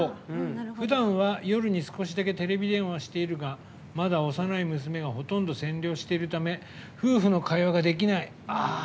ふだんは、夜に少しだけテレビ電話しているがまだ幼い娘がほとんど占領しているため夫婦の会話ができない。